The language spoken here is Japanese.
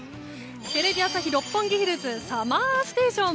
テレビ朝日・六本木ヒルズＳＵＭＭＥＲＳＴＡＴＩＯＮ。